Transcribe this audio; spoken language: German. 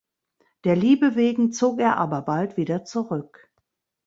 Der Liebe wegen zog er aber bald wieder zurück.